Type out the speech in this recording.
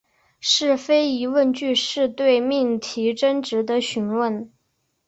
是非疑问句是对命题真值的询问。